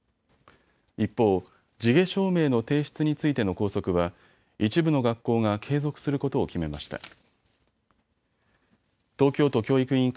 一方、地毛証明の提出についての校則は一部の学校が継続することを決めました。